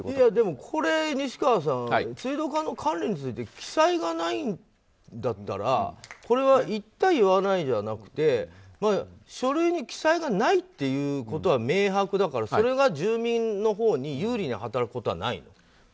でも、これ西川さん水道管の管理について記載がないんだったら言った言わないじゃなくて書類に記載がないっていうことは明白だからそれが住民のほうに有利に働くことはないの？